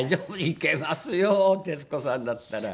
いけますよ徹子さんだったら。